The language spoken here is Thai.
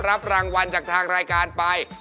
รับรางวัลจากทางรายการไป